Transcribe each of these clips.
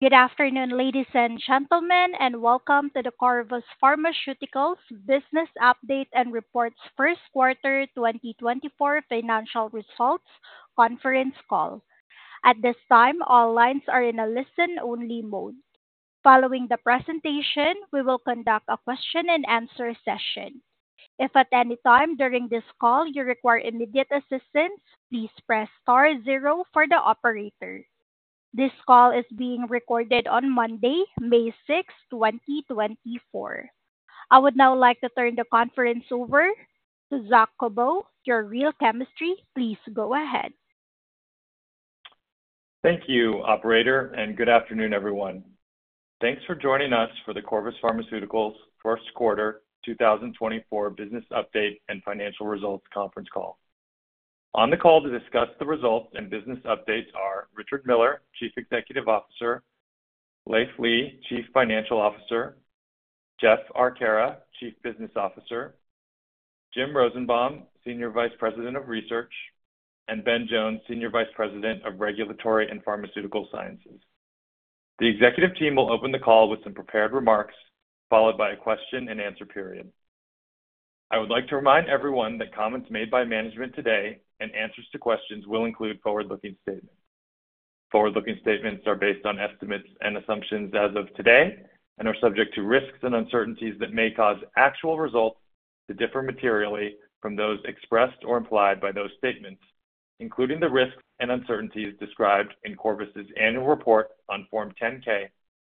Good afternoon, ladies and gentlemen, and welcome to the Corvus Pharmaceuticals business update and reports first quarter 2024 financial results conference call. At this time, all lines are in a listen-only mode. Following the presentation, we will conduct a question-and-answer session. If at any time during this call you require immediate assistance, please press star zero for the operator. This call is being recorded on Monday, May 6, 2024. I would now like to turn the conference over to Zack Kubow, Real Chemistry. Please go ahead. Thank you, operator, and good afternoon, everyone. Thanks for joining us for the Corvus Pharmaceuticals first quarter 2024 business update and financial results conference call. On the call to discuss the results and business updates are Richard Miller, Chief Executive Officer, Leiv Lea, Chief Financial Officer, Jeff Arcara, Chief Business Officer, James Rosenbaum, Senior Vice President of Research, and Ben Jones, Senior Vice President of Regulatory and Pharmaceutical Sciences. The executive team will open the call with some prepared remarks, followed by a question-and-answer period. I would like to remind everyone that comments made by management today and answers to questions will include forward-looking statements. Forward-looking statements are based on estimates and assumptions as of today and are subject to risks and uncertainties that may cause actual results to differ materially from those expressed or implied by those statements, including the risks and uncertainties described in Corvus's annual report on Form 10-K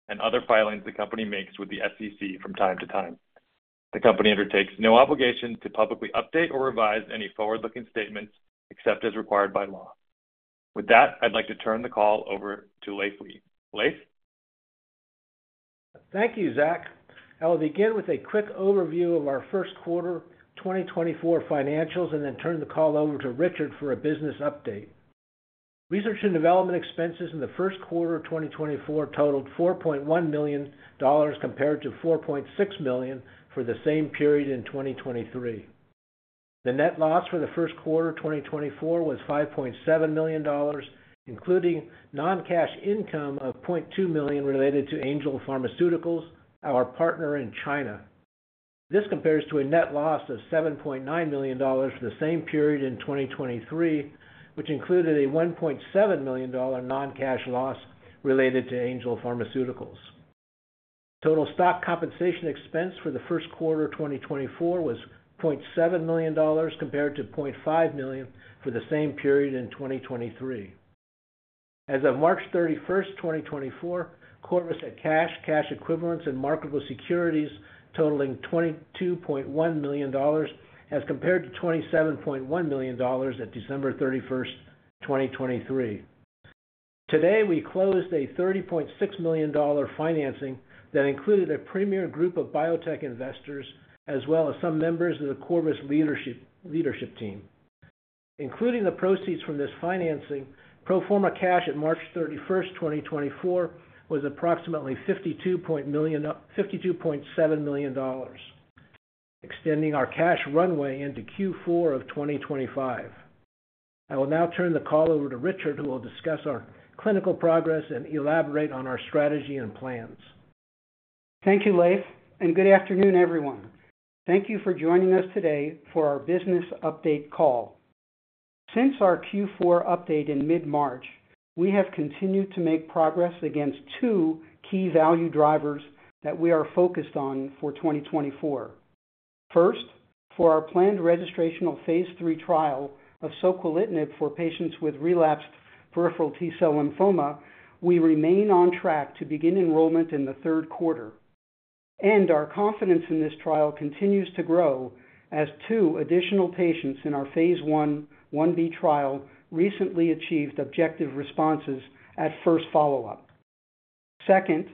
and other filings the company makes with the SEC from time-to-time. The company undertakes no obligation to publicly update or revise any forward-looking statements except as required by law. With that, I'd like to turn the call over to Leiv Lea. Leiv? Thank you, Zack. I will begin with a quick overview of our first quarter 2024 financials and then turn the call over to Richard for a business update. Research and development expenses in the first quarter of 2024 totaled $4.1 million, compared to $4.6 million for the same period in 2023. The net loss for the first quarter of 2024 was $5.7 million, including non-cash income of $0.2 million related to Angel Pharmaceuticals, our partner in China. This compares to a net loss of $7.9 million for the same period in 2023, which included a $1.7 million non-cash loss related to Angel Pharmaceuticals. Total stock compensation expense for the first quarter of 2024 was $0.7 million, compared to $0.5 million for the same period in 2023. As of March 31st, 2024, Corvus had cash, cash equivalents, and marketable securities totaling $22.1 million, as compared to $27.1 million at December 31st, 2023. Today, we closed a $30.6 million financing that included a premier group of biotech investors, as well as some members of the Corvus leadership team. Including the proceeds from this financing, pro forma cash at March 31st, 2024, was approximately $52.7 million, extending our cash runway into Q4 of 2025. I will now turn the call over to Richard, who will discuss our clinical progress and elaborate on our strategy and plans. Thank you, Leiv, and good afternoon, everyone. Thank you for joining us today for our business update call. Since our Q4 update in mid-March, we have continued to make progress against two key value drivers that we are focused on for 2024. First, for our planned registrational phase III trial of soquelitinib for patients with relapsed peripheral T-cell lymphoma, we remain on track to begin enrollment in the third quarter, and our confidence in this trial continues to grow as two additional patients in our phase I/IB trial recently achieved objective responses at first follow-up. Second,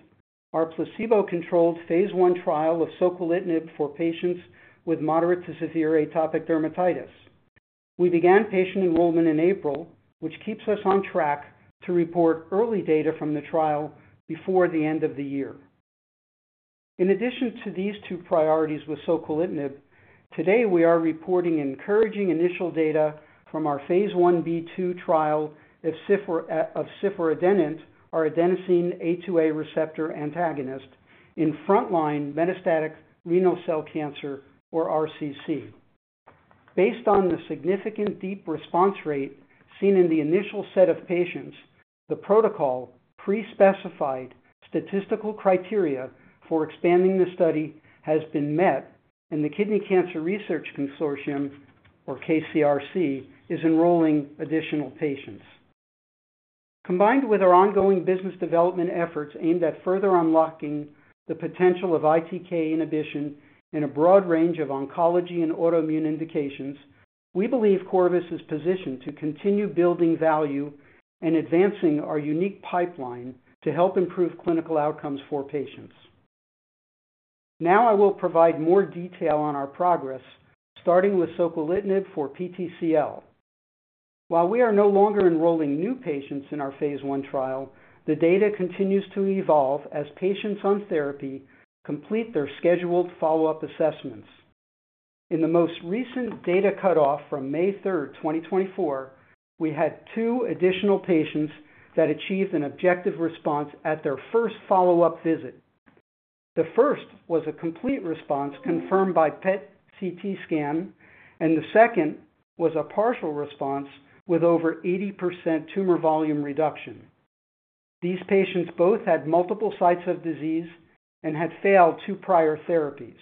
our placebo-controlled phase I trial of soquelitinib for patients with moderate to severe atopic dermatitis. We began patient enrollment in April, which keeps us on track to report early data from the trial before the end of the year. In addition to these two priorities with soquelitinib, today we are reporting encouraging initial data from our phase Ib/II trial of ciforadenant, our adenosine A2A receptor antagonist in frontline metastatic renal cell cancer, or RCC. Based on the significant deep response rate seen in the initial set of patients, the protocol pre-specified statistical criteria for expanding the study has been met, and the Kidney Cancer Research Consortium, or KCRC, is enrolling additional patients. Combined with our ongoing business development efforts aimed at further unlocking the potential of ITK inhibition in a broad range of oncology and autoimmune indications, we believe Corvus is positioned to continue building value and advancing our unique pipeline to help improve clinical outcomes for patients. Now, I will provide more detail on our progress, starting with soquelitinib for PTCL. While we are no longer enrolling new patients in our phase I trial, the data continues to evolve as patients on therapy complete their scheduled follow-up assessments. In the most recent data cutoff from May 3rd, 2024, we had 2 additional patients that achieved an objective response at their first follow-up visit. The first was a complete response confirmed by PET CT scan, and the second was a partial response with over 80% tumor volume reduction. These patients both had multiple sites of disease and had failed 2 prior therapies.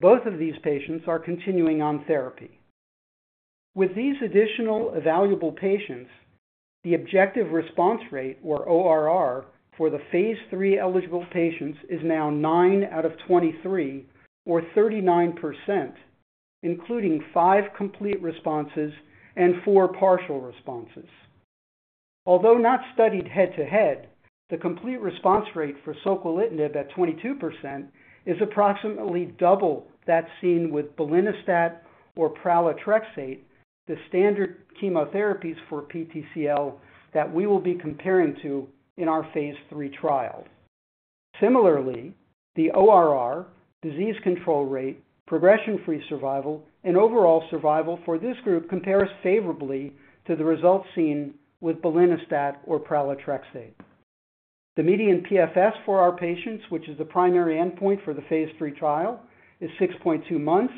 Both of these patients are continuing on therapy. With these additional valuable patients, the objective response rate, or ORR, for the phase 3 eligible patients, is now 9 out of 23, or 39%, including 5 complete responses and 4 partial responses. Although not studied head-to-head, the complete response rate for soquelitinib at 22% is approximately double that seen with belinostat or pralatrexate, the standard chemotherapies for PTCL that we will be comparing to in our phase 3 trial. Similarly, the ORR, disease control rate, progression-free survival, and overall survival for this group compares favorably to the results seen with belinostat or pralatrexate. The median PFS for our patients, which is the primary endpoint for the phase 3 trial, is 6.2 months.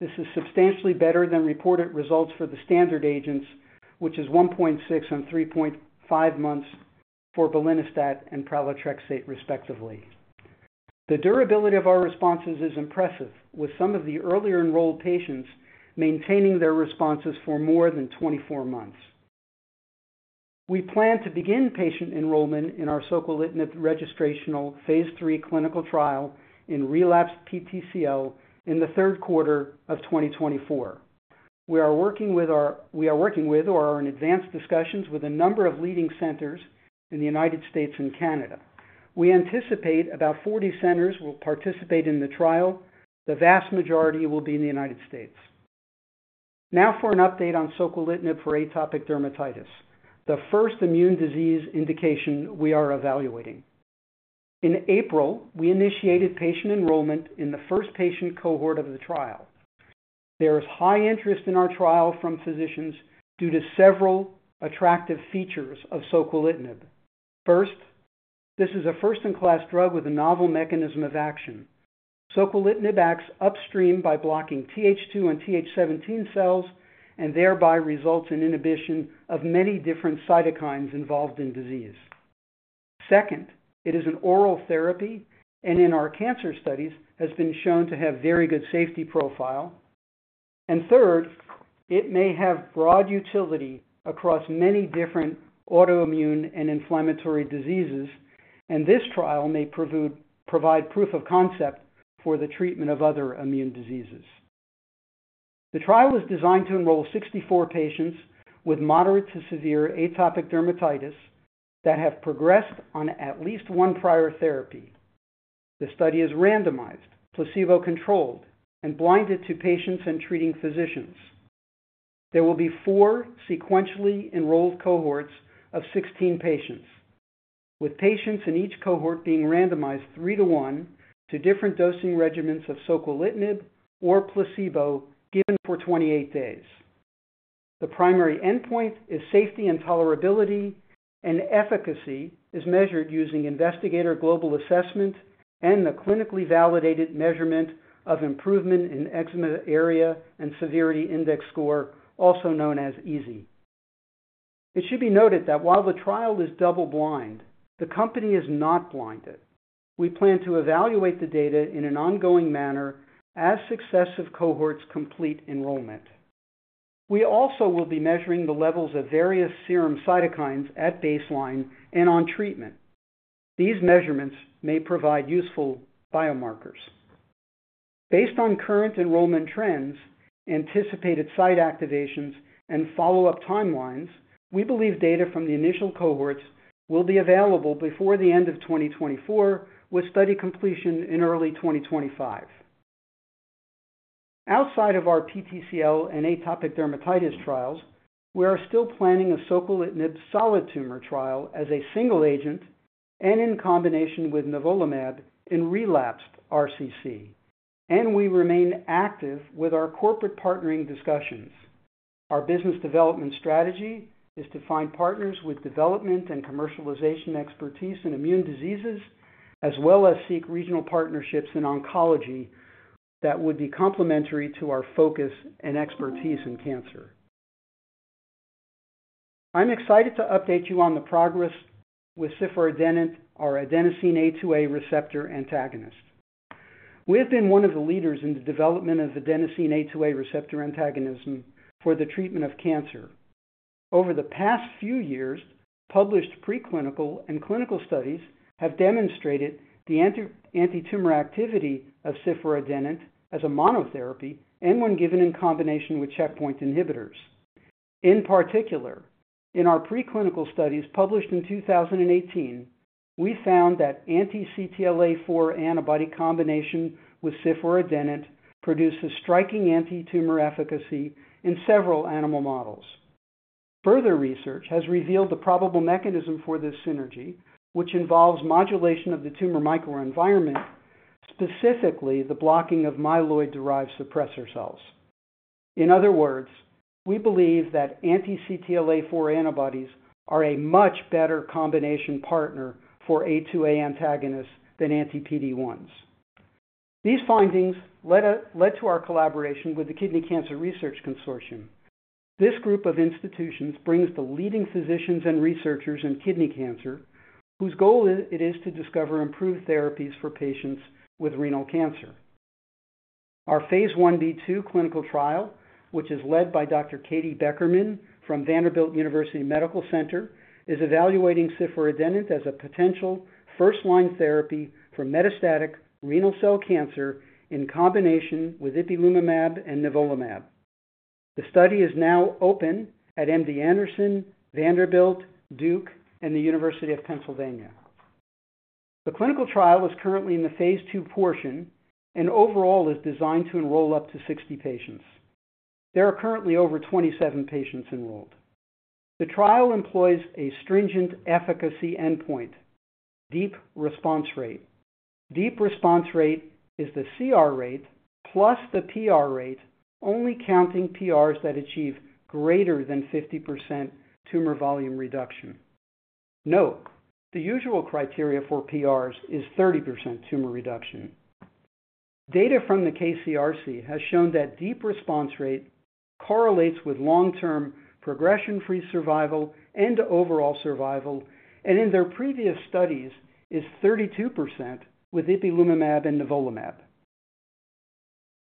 This is substantially better than reported results for the standard agents, which is 1.6 and 3.5 months for belinostat and pralatrexate, respectively. The durability of our responses is impressive, with some of the earlier enrolled patients maintaining their responses for more than 24 months. We plan to begin patient enrollment in our soquelitinib registrational phase 3 clinical trial in relapsed PTCL in the third quarter of 2024. We are working with or are in advanced discussions with a number of leading centers in the United States and Canada. We anticipate about 40 centers will participate in the trial. The vast majority will be in the United States. Now for an update on soquelitinib for atopic dermatitis, the first immune disease indication we are evaluating. In April, we initiated patient enrollment in the first patient cohort of the trial. There is high interest in our trial from physicians due to several attractive features of soquelitinib. First, this is a first-in-class drug with a novel mechanism of action. Soquelitinib acts upstream by blocking Th2 and Th17 cells and thereby results in inhibition of many different cytokines involved in disease. Second, it is an oral therapy and in our cancer studies, has been shown to have very good safety profile. And third, it may have broad utility across many different autoimmune and inflammatory diseases, and this trial may provide proof of concept for the treatment of other immune diseases. The trial is designed to enroll 64 patients with moderate to severe atopic dermatitis that have progressed on at least 1 prior therapy. The study is randomized, placebo-controlled, and blinded to patients and treating physicians. There will be 4 sequentially enrolled cohorts of 16 patients, with patients in each cohort being randomized 3 to 1 to different dosing regimens of soquelitinib or placebo, given for 28 days. The primary endpoint is safety and tolerability, and efficacy is measured using Investigator Global Assessment and the clinically validated measurement of improvement in Eczema Area and Severity Index score, also known as EASI. It should be noted that while the trial is double blind, the company is not blinded. We plan to evaluate the data in an ongoing manner as successive cohorts complete enrollment. We also will be measuring the levels of various serum cytokines at baseline and on treatment. These measurements may provide useful biomarkers. Based on current enrollment trends, anticipated site activations, and follow-up timelines, we believe data from the initial cohorts will be available before the end of 2024, with study completion in early 2025. Outside of our PTCL and atopic dermatitis trials, we are still planning a soquelitinib solid tumor trial as a single agent and in combination with nivolumab in relapsed RCC, and we remain active with our corporate partnering discussions. Our business development strategy is to find partners with development and commercialization expertise in immune diseases, as well as seek regional partnerships in oncology that would be complementary to our focus and expertise in cancer. I'm excited to update you on the progress with ciforadenant, our adenosine A2A receptor antagonist. We have been one of the leaders in the development of adenosine A2A receptor antagonism for the treatment of cancer. Over the past few years, published preclinical and clinical studies have demonstrated the antitumor activity of ciforadenant as a monotherapy and when given in combination with checkpoint inhibitors. In particular, in our preclinical studies published in 2018, we found that anti-CTLA-4 antibody combination with ciforadenant produces striking antitumor efficacy in several animal models.... Further research has revealed the probable mechanism for this synergy, which involves modulation of the tumor microenvironment, specifically the blocking of myeloid-derived suppressor cells. In other words, we believe that anti-CTLA-4 antibodies are a much better combination partner for A2A antagonists than anti-PD-1s. These findings led to our collaboration with the Kidney Cancer Research Consortium. This group of institutions brings the leading physicians and researchers in kidney cancer, whose goal is, it is to discover improved therapies for patients with renal cancer. Our phase 1b/2 clinical trial, which is led by Dr. Katy Beckermann from Vanderbilt University Medical Center, is evaluating ciforadenant as a potential first-line therapy for metastatic renal cell cancer in combination with ipilimumab and nivolumab. The study is now open at MD Anderson, Vanderbilt, Duke, and the University of Pennsylvania. The clinical trial is currently in the phase 2 portion, and overall is designed to enroll up to 60 patients. There are currently over 27 patients enrolled. The trial employs a stringent efficacy endpoint, deep response rate. Deep response rate is the CR rate plus the PR rate, only counting PRs that achieve greater than 50% tumor volume reduction. Note, the usual criteria for PRs is 30% tumor reduction. Data from the KCRC has shown that deep response rate correlates with long-term progression-free survival and overall survival, and in their previous studies, is 32% with ipilimumab and nivolumab.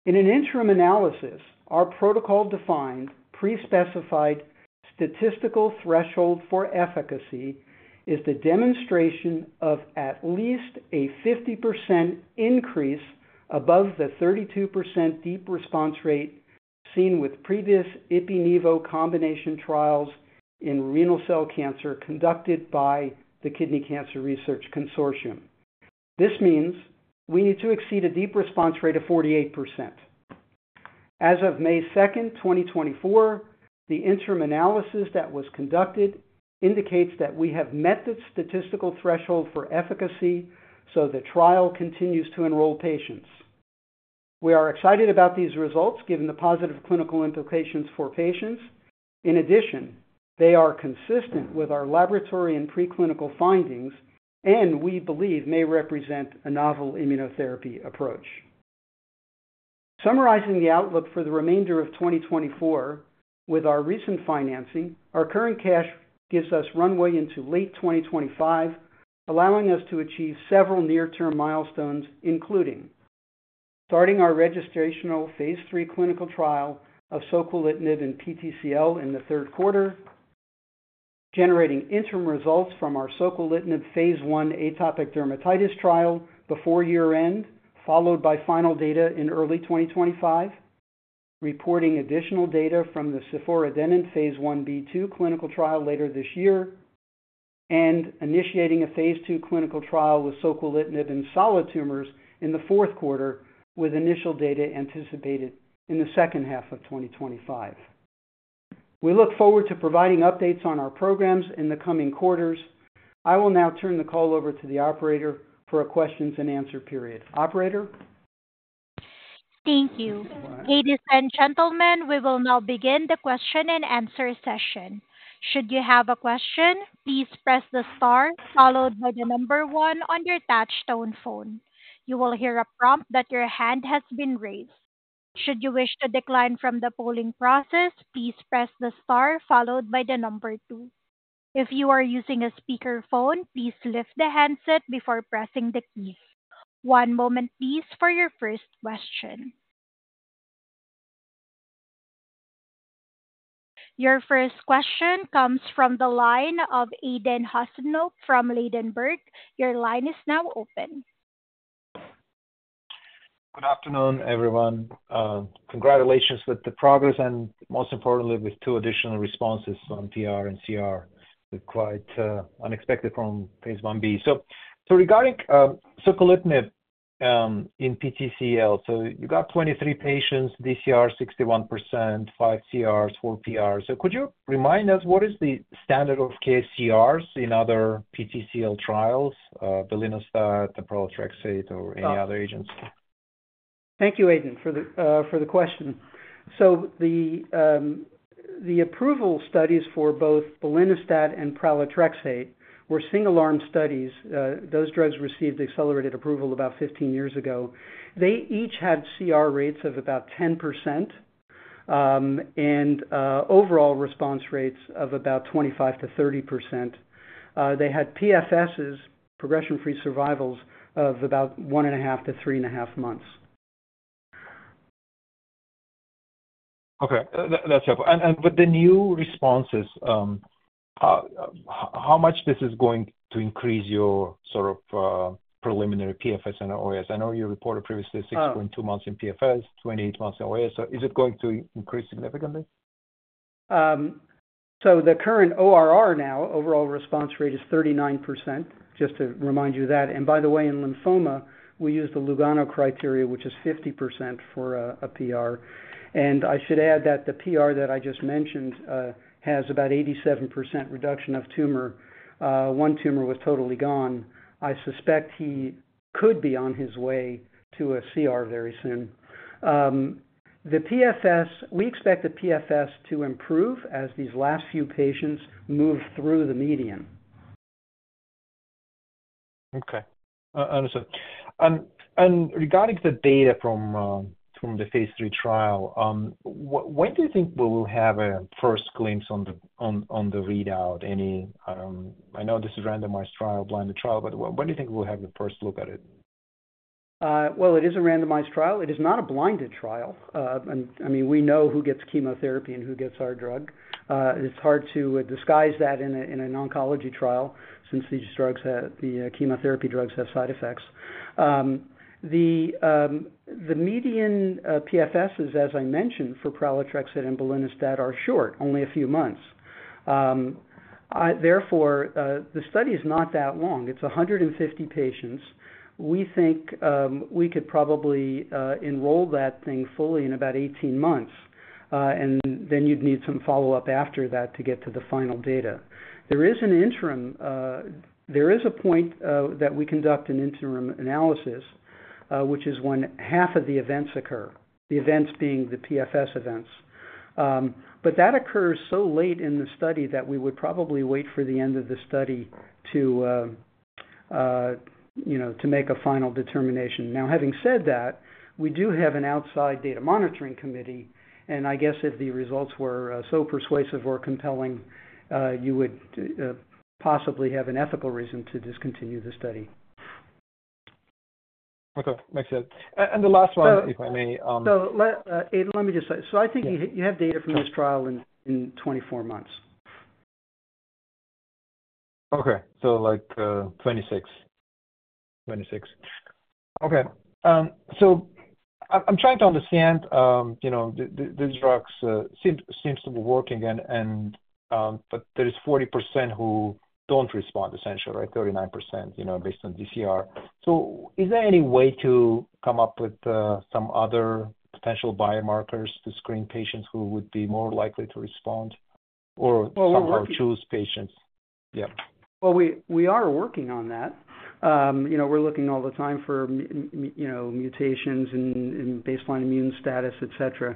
In an interim analysis, our protocol-defined, pre-specified statistical threshold for efficacy is the demonstration of at least a 50% increase above the 32% deep response rate seen with previous Ipi/Nivo combination trials in renal cell cancer conducted by the Kidney Cancer Research Consortium. This means we need to exceed a deep response rate of 48%. As of May 2nd, 2024, the interim analysis that was conducted indicates that we have met the statistical threshold for efficacy, so the trial continues to enroll patients. We are excited about these results, given the positive clinical implications for patients. In addition, they are consistent with our laboratory and preclinical findings, and we believe may represent a novel immunotherapy approach. Summarizing the outlook for the remainder of 2024, with our recent financing, our current cash gives us runway into late 2025, allowing us to achieve several near-term milestones, including starting our registrational phase 3 clinical trial of soquelitinib in PTCL in the third quarter, generating interim results from our soquelitinib phase 1 atopic dermatitis trial before year-end, followed by final data in early 2025, reporting additional data from the ciforadenant phase 1B/2 clinical trial later this year, and initiating a phase 2 clinical trial with soquelitinib in solid tumors in the fourth quarter, with initial data anticipated in the second half of 2025. We look forward to providing updates on our programs in the coming quarters. I will now turn the call over to the operator for a question and answer period. Operator? Thank you. Ladies and gentlemen, we will now begin the question and answer session. Should you have a question, please press the star followed by the number 1 on your touchtone phone. You will hear a prompt that your hand has been raised. Should you wish to decline from the polling process, please press the star followed by the number 2. If you are using a speakerphone, please lift the handset before pressing the key. One moment, please, for your first question. Your first question comes from the line of Aydin Huseynov from Ladenburg Thalmann. Your line is now open. Good afternoon, everyone. Congratulations with the progress and most importantly, with two additional responses on PR and CR. Quite unexpected from Phase 1B. So regarding soquelitinib in PTCL, so you got 23 patients, DCR 61%, 5 CRs, 4 PRs. So could you remind us what is the standard of ORRs in other PTCL trials, the belinostat, the pralatrexate, or any other agents? Thank you, Aydin, for the, for the question. So the, the approval studies for both belinostat and pralatrexate were single-arm studies. Those drugs received accelerated approval about 15 years ago. They each had CR rates of about 10%, and overall response rates of about 25%-30%. They had PFSs, progression-free survivals, of about 1.5-3.5 months. Okay, that, that's helpful. And with the new responses, how much this is going to increase your sort of preliminary PFS and OS? I know you reported previously- Oh. 6.2 months in PFS, 28 months in OS. So is it going to increase significantly?... So the current ORR now, overall response rate, is 39%, just to remind you that. And by the way, in lymphoma, we use the Lugano criteria, which is 50% for a PR. And I should add that the PR that I just mentioned has about 87% reduction of tumor. One tumor was totally gone. I suspect he could be on his way to a CR very soon. The PFS, we expect the PFS to improve as these last few patients move through the median. Okay. Understood. And regarding the data from the phase 3 trial, when do you think we will have a first glimpse on the readout? Any, I know this is a randomized trial, blinded trial, but when do you think we'll have the first look at it? Well, it is a randomized trial. It is not a blinded trial. And I mean, we know who gets chemotherapy and who gets our drug. It's hard to disguise that in a, in an oncology trial since these drugs have... the, chemotherapy drugs have side effects. The median PFSs, as I mentioned, for pralatrexate and belinostat are short, only a few months. I therefore, the study is not that long. It's 150 patients. We think, we could probably, enroll that thing fully in about 18 months. And then you'd need some follow-up after that to get to the final data. There is an interim, there is a point, that we conduct an interim analysis, which is when half of the events occur, the events being the PFS events. But that occurs so late in the study that we would probably wait for the end of the study to, you know, to make a final determination. Now, having said that, we do have an outside data monitoring committee, and I guess if the results were so persuasive or compelling, you would possibly have an ethical reason to discontinue the study. Okay. Makes sense. And the last one, if I may, So let me just say. So I think you have data from this trial in 24 months. Okay. So like, 26. 26. Okay. So I'm trying to understand, you know, the these drugs seem to be working and, but there is 40% who don't respond essentially, right? 39%, you know, based on DCR. So is there any way to come up with some other potential biomarkers to screen patients who would be more likely to respond or somehow choose patients? Yeah. Well, we are working on that. You know, we're looking all the time for mutations, you know, and baseline immune status, et cetera.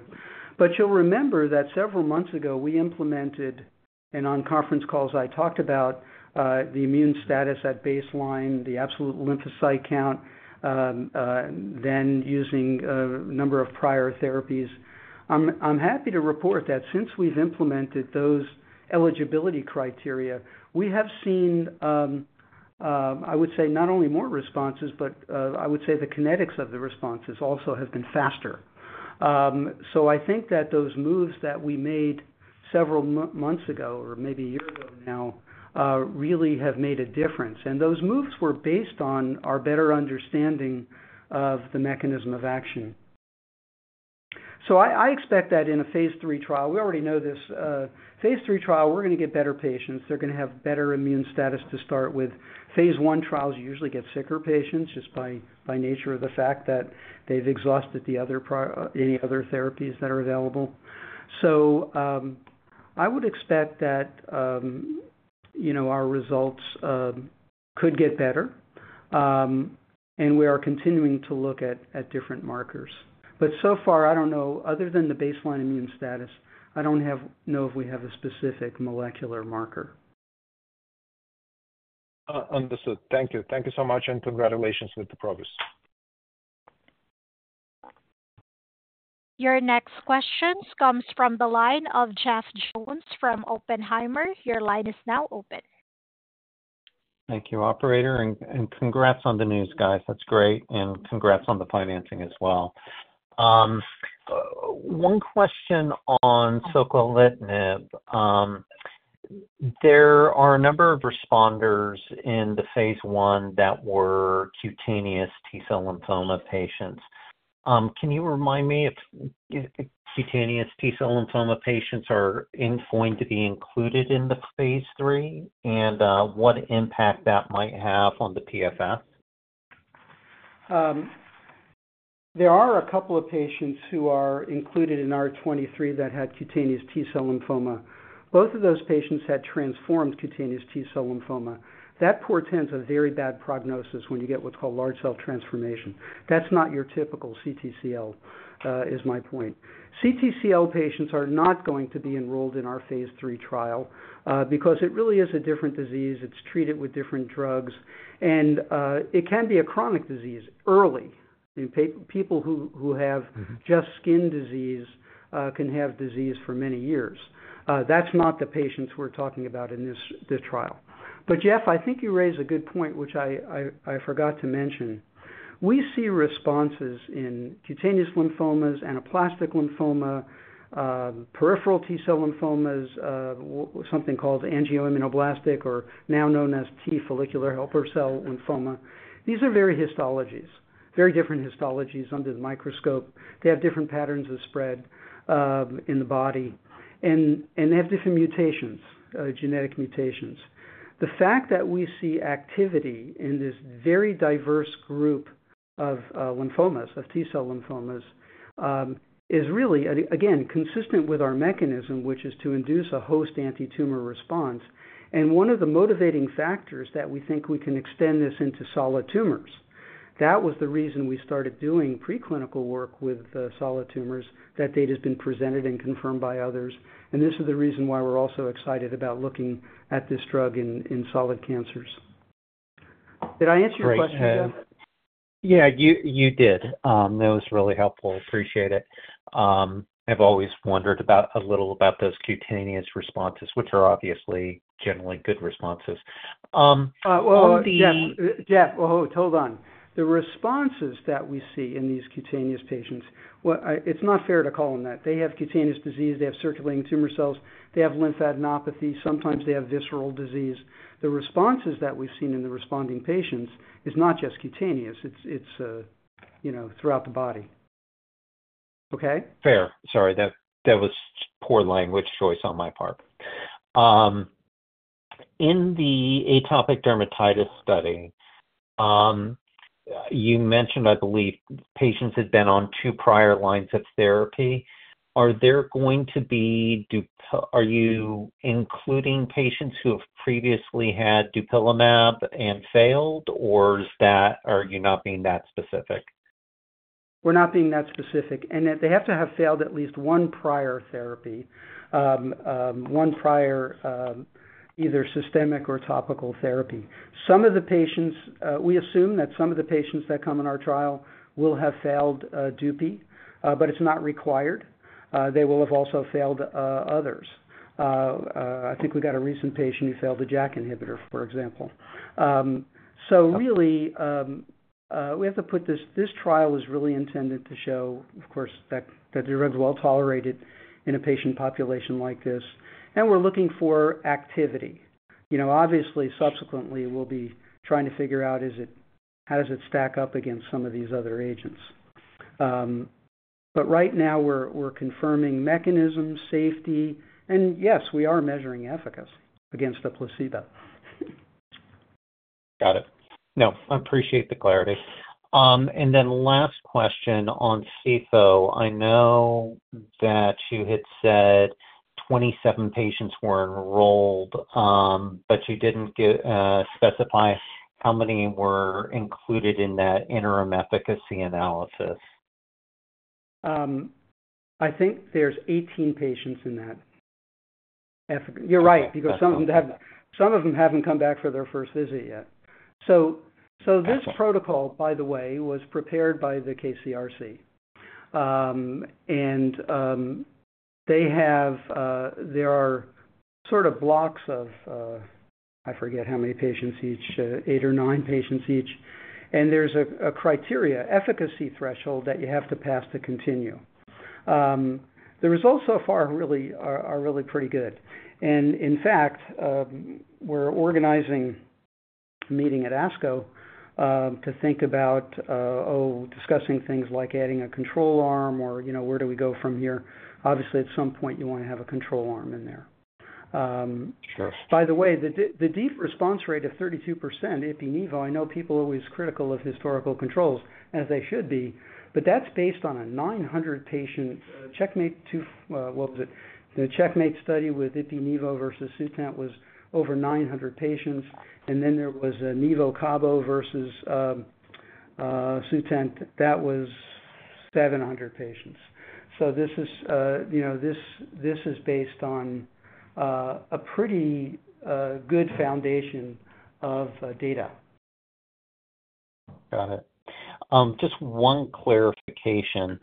But you'll remember that several months ago, we implemented, and on conference calls I talked about, the immune status at baseline, the absolute lymphocyte count, then using a number of prior therapies. I'm happy to report that since we've implemented those eligibility criteria, we have seen, I would say, not only more responses, but I would say the kinetics of the responses also have been faster. So I think that those moves that we made several months ago, or maybe a year ago now, really have made a difference, and those moves were based on our better understanding of the mechanism of action. So I expect that in a phase 3 trial, we already know this. Phase 3 trial, we're gonna get better patients. They're gonna have better immune status to start with. Phase 1 trials usually get sicker patients, just by nature of the fact that they've exhausted the other any other therapies that are available. So, I would expect that, you know, our results could get better, and we are continuing to look at different markers. But so far, I don't know, other than the baseline immune status, I don't know if we have a specific molecular marker. Understood. Thank you. Thank you so much, and congratulations with the progress. Your next question comes from the line of Jeff Jones from Oppenheimer. Your line is now open. Thank you, operator, and, and congrats on the news, guys. That's great, and congrats on the financing as well. One question on soquelitinib. There are a number of responders in the phase 1 that were cutaneous T-cell lymphoma patients. Can you remind me if cutaneous T-cell lymphoma patients are going to be included in the phase 3, and what impact that might have on the PFS? There are a couple of patients who are included in our 23 that had cutaneous T-cell lymphoma. Both of those patients had transformed cutaneous T-cell lymphoma. That portends a very bad prognosis when you get what's called large cell transformation. That's not your typical CTCL, is my point. CTCL patients are not going to be enrolled in our phase 3 trial, because it really is a different disease. It's treated with different drugs, and it can be a chronic disease early. In people who have just skin disease, can have disease for many years. That's not the patients we're talking about in this trial. But Jeff, I think you raise a good point, which I forgot to mention. We see responses in cutaneous lymphomas, anaplastic lymphoma, peripheral T-cell lymphomas, something called angioimmunoblastic, or now known as T follicular helper cell lymphoma. These are very histologies, very different histologies under the microscope. They have different patterns of spread in the body, and they have different mutations, genetic mutations. The fact that we see activity in this very diverse group of lymphomas, of T cell lymphomas, is really, again, consistent with our mechanism, which is to induce a host antitumor response, and one of the motivating factors that we think we can extend this into solid tumors. That was the reason we started doing preclinical work with solid tumors. That data has been presented and confirmed by others, and this is the reason why we're also excited about looking at this drug in solid cancers. Did I answer your question, Jeff? Yeah, you did. That was really helpful. Appreciate it. I've always wondered a little about those cutaneous responses, which are obviously generally good responses. On the- Well, Jeff, Jeff, hold, hold on. The responses that we see in these cutaneous patients, well, I... It's not fair to call them that. They have cutaneous disease, they have circulating tumor cells, they have lymphadenopathy, sometimes they have visceral disease. The responses that we've seen in the responding patients is not just cutaneous, it's, it's, you know, throughout the body. Okay? Fair. Sorry, that, that was poor language choice on my part. In the atopic dermatitis study, you mentioned, I believe, patients had been on two prior lines of therapy. Are there going to be dupil- are you including patients who have previously had dupilumab and failed, or is that, are you not being that specific? We're not being that specific, and that they have to have failed at least one prior therapy. One prior, either systemic or topical therapy. Some of the patients, we assume that some of the patients that come in our trial will have failed dupilumab, but it's not required. They will have also failed others. I think we got a recent patient who failed a JAK inhibitor, for example. So really, we have to put this- this trial was really intended to show, of course, that the drug's well tolerated in a patient population like this, and we're looking for activity. You know, obviously, subsequently, we'll be trying to figure out, is it- how does it stack up against some of these other agents? But right now we're confirming mechanism, safety, and yes, we are measuring efficacy against a placebo. Got it. No, I appreciate the clarity. And then last question on CFO. I know that you had said 27 patients were enrolled, but you didn't give, specify how many were included in that interim efficacy analysis. I think there's 18 patients in that. You're right, because some of them haven't, some of them haven't come back for their first visit yet. So this protocol, by the way, was prepared by the KCRC. And they have, there are sort of blocks of, I forget how many patients each, 8 or 9 patients each. And there's a criteria, efficacy threshold that you have to pass to continue. The results so far really are really pretty good. And in fact, we're organizing a meeting at ASCO to think about, oh, discussing things like adding a control arm or, you know, where do we go from here. Obviously, at some point you want to have a control arm in there. Sure. By the way, the deep response rate of 32% ipi/nivo, I know people are always critical of historical controls, as they should be, but that's based on a 900-patient Checkmate two- what was it? The Checkmate study with ipi/nivo versus Sutent was over 900 patients, and then there was a nivo/cabo versus Sutent. That was 700 patients. So this is, you know, this, this is based on a pretty good foundation of data. Got it. Just one clarification.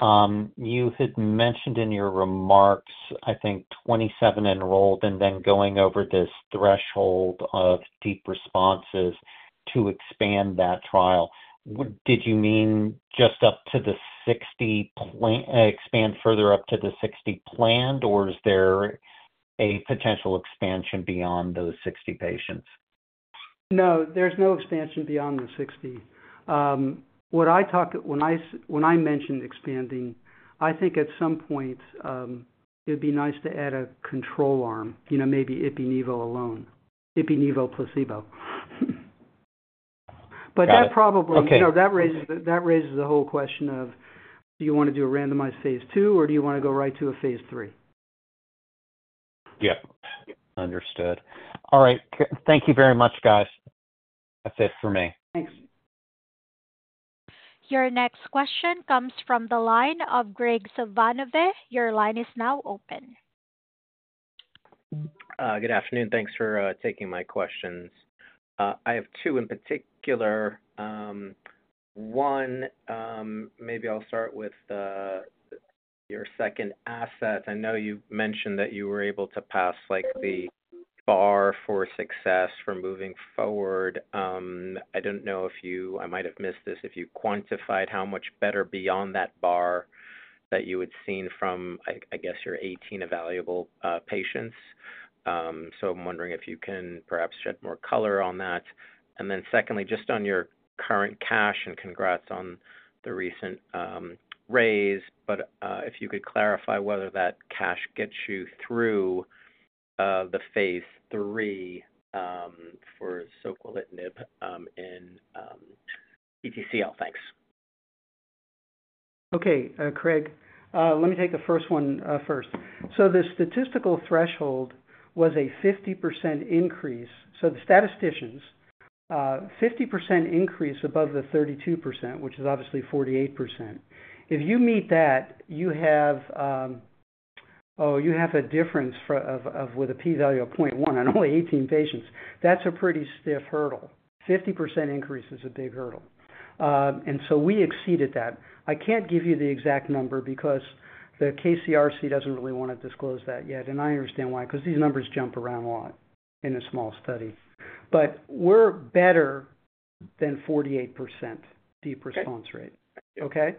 You had mentioned in your remarks, I think 27 enrolled, and then going over this threshold of deep responses to expand that trial. Did you mean just up to the 60 planned, expand further up to the 60 planned, or is there a potential expansion beyond those 60 patients? No, there's no expansion beyond the 60. What I talked, when I mentioned expanding, I think at some point, it'd be nice to add a control arm, you know, maybe ipi/nivo alone, ipi/nivo placebo. Got it. But that probably- Okay. You know, that raises the whole question of, do you want to do a randomized phase two, or do you want to go right to a phase three? Yep. Understood. All right. Thank you very much, guys. That's it for me. Thanks. Your next question comes from the line of Gregory Renza. Your line is now open. Good afternoon. Thanks for taking my questions. I have two in particular. One, maybe I'll start with your second asset. I know you've mentioned that you were able to pass, like, the bar for success for moving forward. I don't know if you... I might have missed this, if you quantified how much better beyond that bar that you had seen from, I guess, your 18 evaluable patients. So I'm wondering if you can perhaps shed more color on that. And then secondly, just on your current cash, and congrats on the recent raise, but if you could clarify whether that cash gets you through the phase 3 for soquelitinib in PTCL. Thanks. Okay, Craig. Let me take the first one, first. So the statistical threshold was a 50% increase. So the statisticians, 50% increase above the 32%, which is obviously 48%. If you meet that, you have a difference for, of, of with a p-value of 0.1 on only 18 patients. That's a pretty stiff hurdle. 50% increase is a big hurdle. And so we exceeded that. I can't give you the exact number because the KCRC doesn't really wanna disclose that yet, and I understand why, 'cause these numbers jump around a lot in a small study. But we're better than 48% deep response rate. Okay.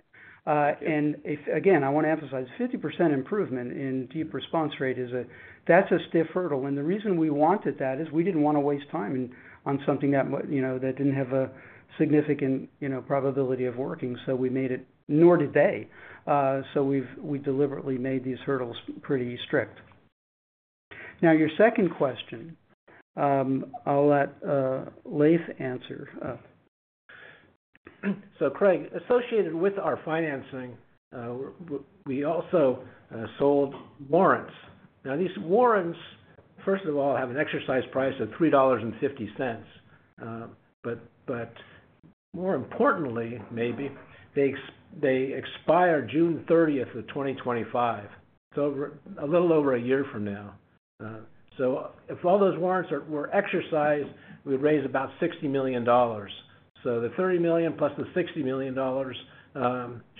Okay? And if, again, I wanna emphasize, 50% improvement in deep response rate is a. That's a stiff hurdle, and the reason we wanted that is we didn't wanna waste time on, on something that you know, that didn't have a significant, you know, probability of working, so we made it, nor did they. So we've, we deliberately made these hurdles pretty strict. Now, your second question, I'll let Leiv answer. So Craig, associated with our financing, we also sold warrants. Now these warrants, first of all, have an exercise price of $3.50. But more importantly, maybe, they expire June 30, 2025, so a little over a year from now. So if all those warrants were exercised, we'd raise about $60 million. So the $30 million plus the $60 million,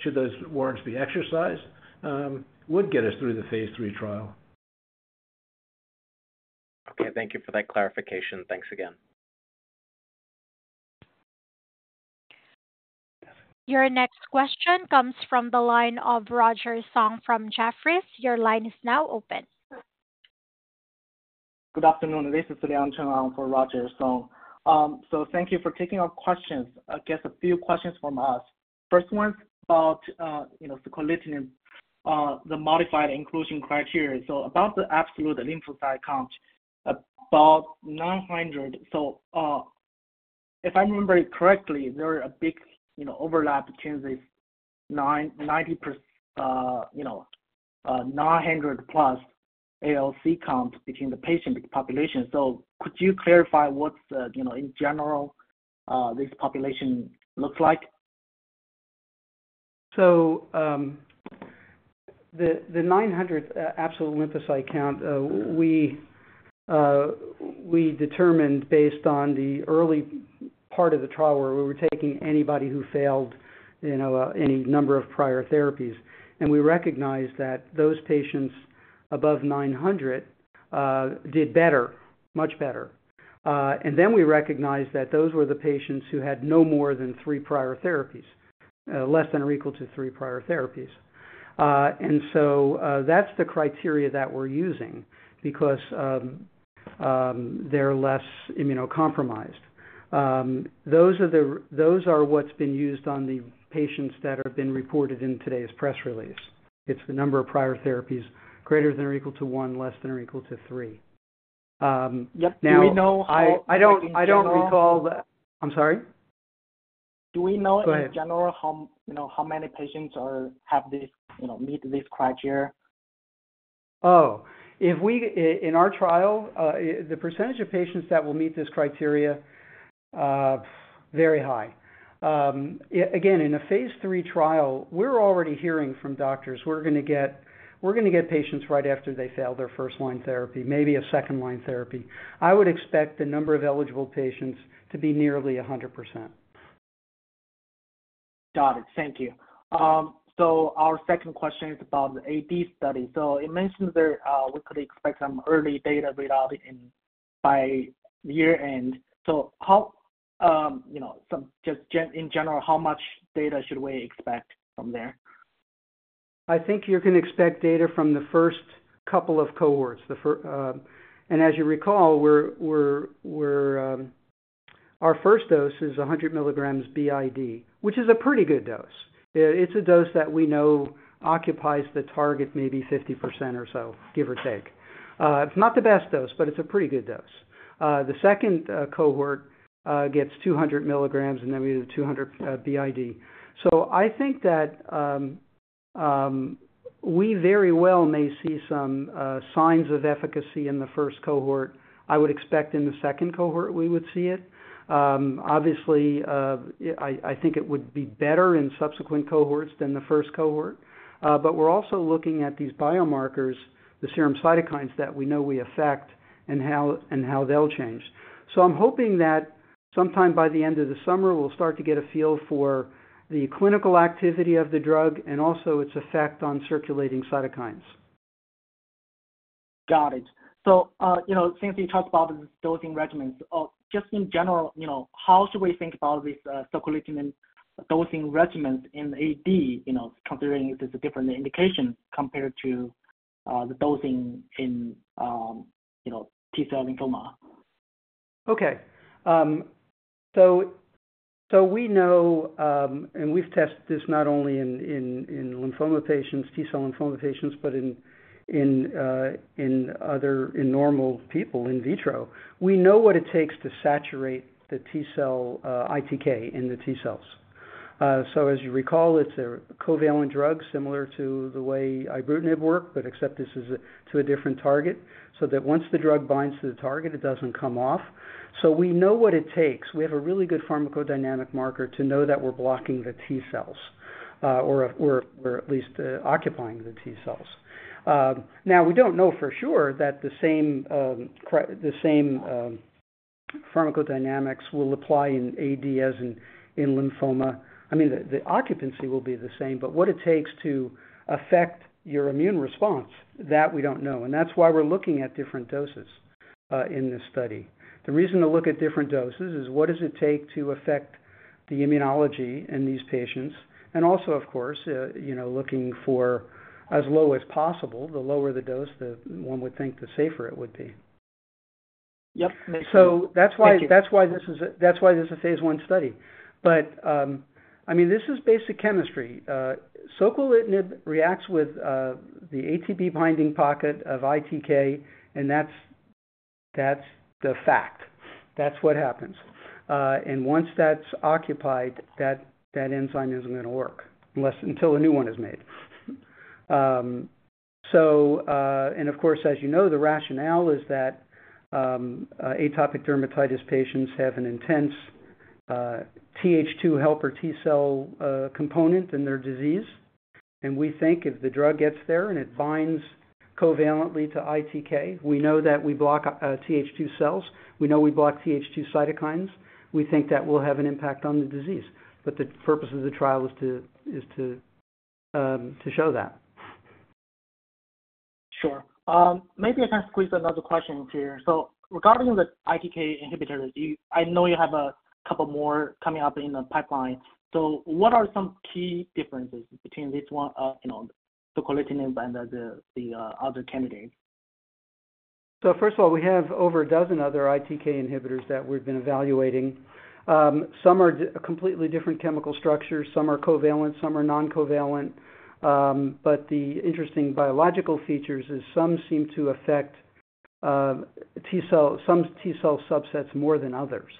should those warrants be exercised, would get us through the phase 3 trial. Okay, thank you for that clarification. Thanks again. Your next question comes from the line of Roger Song from Jefferies. Your line is now open. Good afternoon. This is Leon Cheng for Roger Song. So thank you for taking our questions. I guess a few questions from us. First one's about, you know, soquelitinib, the modified inclusion criteria. So about the absolute lymphocyte count, about 900. So, if I remember it correctly, there are a big, you know, overlap between the 99% nine hundred plus ALC counts between the patient population. So could you clarify what's the, you know, in general, this population looks like? So, the 900 absolute lymphocyte count, we determined based on the early part of the trial, where we were taking anybody who failed, you know, any number of prior therapies. We recognized that those patients above 900 did better, much better. And then we recognized that those were the patients who had no more than three prior therapies, less than or equal to three prior therapies. And so, that's the criteria that we're using because they're less immunocompromised. Those are what's been used on the patients that have been reported in today's press release. It's the number of prior therapies, greater than or equal to one, less than or equal to three. Now- Yep. Do we know how- I don't recall the... I'm sorry? Do we know? Go ahead... in general, how, you know, how many patients are, have this, you know, meet this criteria? Oh, if we in our trial, the percentage of patients that will meet this criteria very high. Yeah, again, in a phase 3 trial, we're already hearing from doctors, we're gonna get, we're gonna get patients right after they fail their first-line therapy, maybe a second-line therapy. I would expect the number of eligible patients to be nearly 100%. Got it. Thank you. So our second question is about the AD study. So it mentions there, we could expect some early data readout by year-end. So how, you know, in general, how much data should we expect from there? I think you can expect data from the first couple of cohorts. The first, and as you recall, our first dose is 100 milligrams BID, which is a pretty good dose. It's a dose that we know occupies the target, maybe 50% or so, give or take. It's not the best dose, but it's a pretty good dose. The second cohort gets 200 milligrams, and then we do 200 BID. So I think that, we very well may see some signs of efficacy in the first cohort. I would expect in the second cohort, we would see it. Obviously, I think it would be better in subsequent cohorts than the first cohort. But we're also looking at these biomarkers, the serum cytokines that we know we affect, and how, and how they'll change. So I'm hoping that sometime by the end of the summer, we'll start to get a feel for the clinical activity of the drug and also its effect on circulating cytokines. Got it. So, you know, since you talked about the dosing regimens, just in general, you know, how should we think about this, soquelitinib in dosing regimens in AD, you know, considering it is a different indication compared to the dosing in, you know, T-cell lymphoma?... Okay. So we know and we've tested this not only in lymphoma patients, T-cell lymphoma patients, but in other normal people, in vitro. We know what it takes to saturate the T-cell ITK in the T-cells. So as you recall, it's a covalent drug, similar to the way ibrutinib work, but except this is to a different target, so that once the drug binds to the target, it doesn't come off. So we know what it takes. We have a really good pharmacodynamic marker to know that we're blocking the T-cells or we're at least occupying the T-cells. Now, we don't know for sure that the same pharmacodynamics will apply in AD as in lymphoma. I mean, the occupancy will be the same, but what it takes to affect your immune response, that we don't know, and that's why we're looking at different doses, in this study. The reason to look at different doses is what does it take to affect the immunology in these patients, and also, of course, you know, looking for as low as possible. The lower the dose, the one would think, the safer it would be. Yep, makes sense. So that's why- Thank you. That's why this is a phase 1 study. But I mean, this is basic chemistry. Soquelitinib reacts with the ATP binding pocket of ITK, and that's the fact. That's what happens. And once that's occupied, that enzyme isn't gonna work until a new one is made. So and of course, as you know, the rationale is that atopic dermatitis patients have an intense TH2 helper T-cell component in their disease, and we think if the drug gets there, and it binds covalently to ITK, we know that we block TH2 cells. We know we block TH2 cytokines. We think that will have an impact on the disease, but the purpose of the trial is to show that. Sure. Maybe I can squeeze another question here. So regarding the ITK inhibitor, do you... I know you have a couple more coming up in the pipeline. So what are some key differences between this one, you know, soquelitinib and the other candidates? So first of all, we have over a dozen other ITK inhibitors that we've been evaluating. Some are completely different chemical structures, some are covalent, some are non-covalent. But the interesting biological features is some seem to affect T-cell, some T-cell subsets more than others,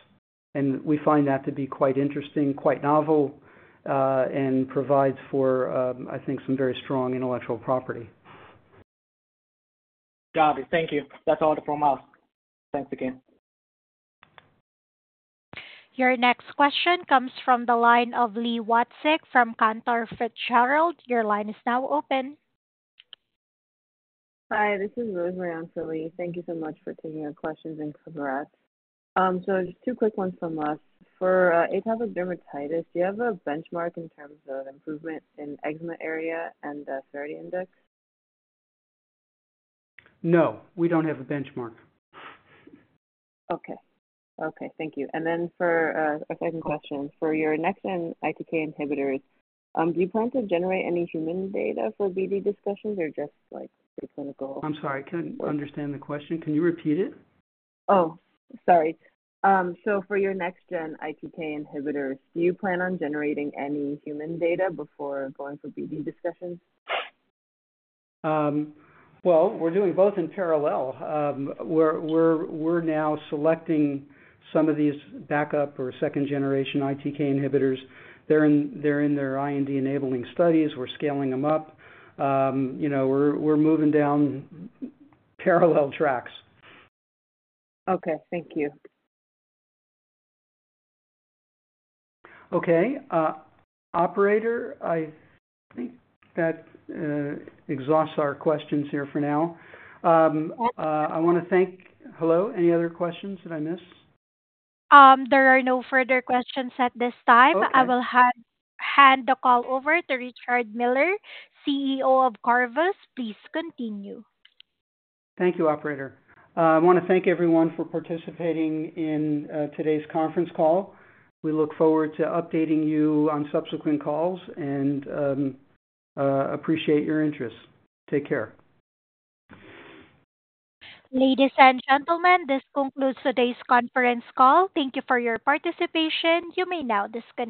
and we find that to be quite interesting, quite novel, and provides for, I think, some very strong intellectual property. Got it. Thank you. That's all from us. Thanks again. Your next question comes from the line of Li Watsek from Cantor Fitzgerald. Your line is now open. Hi, this is Marie-Antoinette. Thank you so much for taking our questions, and for the rest. So just two quick ones from us. For atopic dermatitis, do you have a benchmark in terms of improvement in eczema area and severity index? No, we don't have a benchmark. Okay. Okay, thank you. And then for a second question, for your next gen ITK inhibitors, do you plan to generate any human data for BD discussions or just like preclinical? I'm sorry, I couldn't understand the question. Can you repeat it? Oh, sorry. So for your next gen ITK inhibitors, do you plan on generating any human data before going for BD discussions? Well, we're doing both in parallel. We're now selecting some of these backup or second-generation ITK inhibitors. They're in their IND-enabling studies. We're scaling them up. You know, we're moving down parallel tracks. Okay, thank you. Okay. Operator, I think that exhausts our questions here for now. I wanna thank... Hello, any other questions that I missed? There are no further questions at this time. Okay. I will hand the call over to Richard Miller, CEO of Corvus. Please continue. Thank you, operator. I wanna thank everyone for participating in today's conference call. We look forward to updating you on subsequent calls and appreciate your interest. Take care. Ladies and gentlemen, this concludes today's conference call. Thank you for your participation. You may now disconnect.